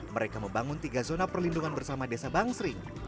mereka membangun tiga zona perlindungan bersama desa bang sling